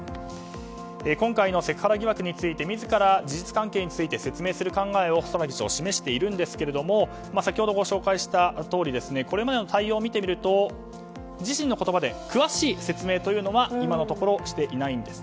今回のセクハラ疑惑について自ら事実関係について説明する考えを細田議長、示していますが先ほどご紹介したとおりいまのところ自身の言葉で詳しい説明は今のところしていません。